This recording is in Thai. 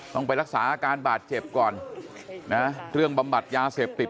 ต้องไปรักษาอาการบาดเจ็บก่อนนะเรื่องบำบัดยาเสพติด